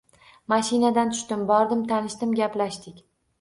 Mashindan tushdim, bordim, tanishdim. Gaplashdik.